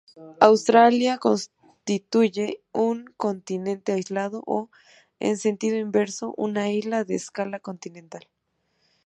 Australia constituye un continente aislado o, en sentido inverso, una isla de escala continental.